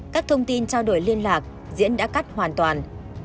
các thông tin trao đổi liên lạc diễn đã cắt hoàn toàn